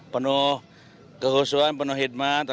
penuh kehusuhan penuh hikmat